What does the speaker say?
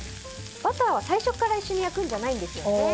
バターは最初から一緒に焼くんじゃないんですよね。